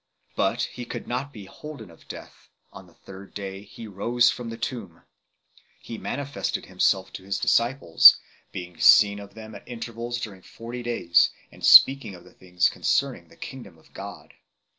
But He could not be holden of death ; on the third day He rose from the tomb. He manifested Himself to His disciples, being seen of them at intervals during forty days, and speaking of the things concerning the Kingdom of God 1